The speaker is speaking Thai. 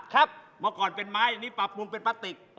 ครับเมื่อก่อนเป็นไม้อันนี้ปรับมุมเป็นปลาติก